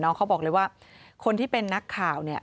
เขาบอกเลยว่าคนที่เป็นนักข่าวเนี่ย